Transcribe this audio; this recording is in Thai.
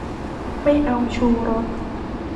ไม่เอาชูรส